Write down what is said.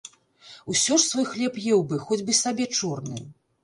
Усё ж свой хлеб еў бы, хоць бы сабе чорны!